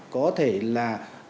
có thể là